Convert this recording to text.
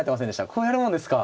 こうやるもんですか。